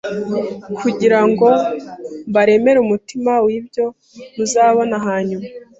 kugira ngo mbareme umutima w’ibyo muzabona hanyuma.